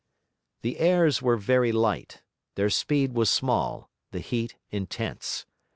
The airs were very light, their speed was small; the heat intense.